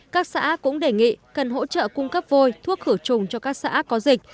các xã cũng đề nghị cần hỗ trợ cung cấp vôi thuốc khử trùng cho các xã có dịch